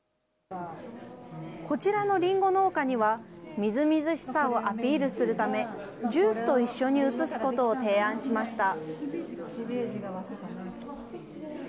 こちらのリンゴ農家には、みずみずしさをアピールするため、ジュースと一緒に写すことを提案しました。